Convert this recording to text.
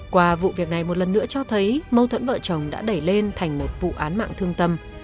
qua vụ việc này một lần nữa cho thấy mâu thuẫn vợ chồng đã đẩy lên thành một vụ án mạng thương tâm